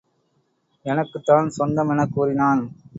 எனக்குத்தான் சொந்தம் எனக் கூறினான்.